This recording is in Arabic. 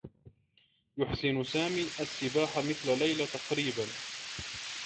يحسن سامي السّباحة مثل ليلى تقريبا.